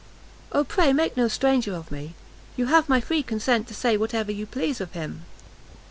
"Oh pray make no stranger of me! you have my free consent to say whatever you please of him."